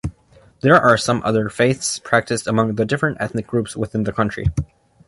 There are some other faiths practiced among the different ethnic groups within the country.